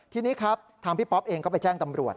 ทีนี้ครับทางพี่ป๊อปเองก็ไปแจ้งตำรวจ